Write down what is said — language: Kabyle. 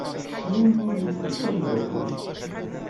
Cnunnu yufa-d tamdakelt.